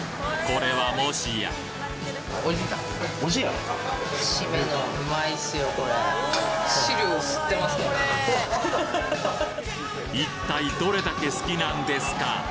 これ・一体どれだけ好きなんですか？